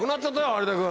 有田君。